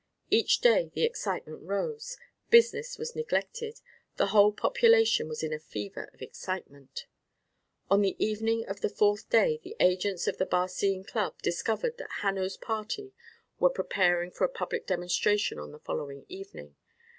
Each day the excitement rose, business was neglected, the whole population was in a fever of excitement. On the evening of the fourth day the agents of the Barcine Club discovered that Hanno's party were preparing for a public demonstration on the following evening.